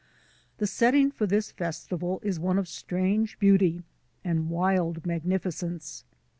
The setting for this festival is one of strange beauty and wild magnificence.